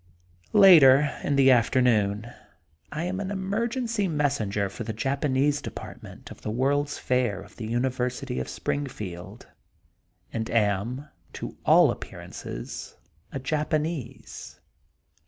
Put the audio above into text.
Later^ in the afternoon, I am an emer gency messenger for the Japanese depart ment of the World's Fair of the University of Springfield, and am, to all appearances, a Japanese.